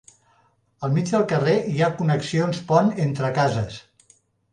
Al mig del carrer hi ha connexions pont entre cases.